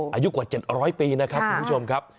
อายุกว่า๗๐๐ปีนะครับคุณผู้ชมครับ